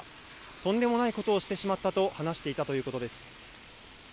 とんでもないことをしてしまったと話していたということです。